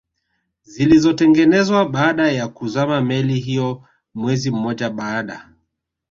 zilizotengenezwa baada ya kuzama meli hiyo mwezi mmoja baada